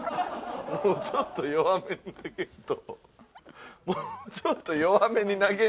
もうちょっと弱めに投げんと。